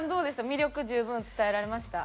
魅力十分伝えられました？